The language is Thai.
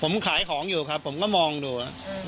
ผมขายของอยู่ครับผมก็มองดู